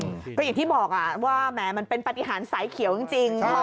ก็อย่างที่บอกว่าแหมมันเป็นปฏิหารสายเขียวจริง